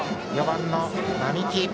４番の双木。